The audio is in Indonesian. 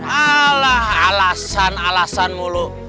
alah alasan alasan mulu